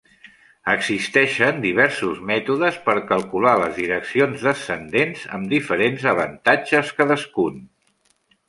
Existeixen diversos mètodes per calcular las direccions descendents amb diferents avantatges cadascun.